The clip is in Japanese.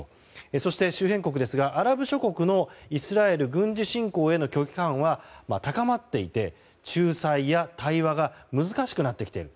そして、周辺国ですがアラブ諸国のイスラエル軍事侵攻への拒否感は高まっていて仲裁や対話が難しくなってきている。